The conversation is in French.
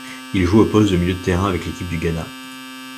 Il jouait au poste de milieu de terrain avec l'équipe du Ghana.